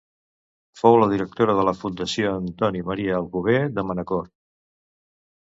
Fou la directora de la Fundació Antoni Maria Alcover de Manacor.